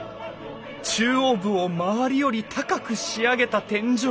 中央部を周りより高く仕上げた天井